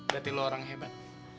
berarti lo orang hebat